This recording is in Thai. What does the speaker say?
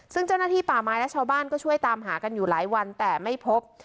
ซึ่งเจ้าหน้าที่ป่าไม้และชาวบ้านก็ช่วยตามหากันอยู่หลายวันแต่ไม่พบ